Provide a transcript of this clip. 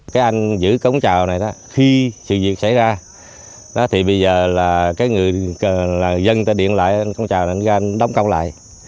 cái anh giữ cổng rào này đó khi sự việc xảy ra thì bây giờ là dân ta điện lại cổng rào này anh đóng công lại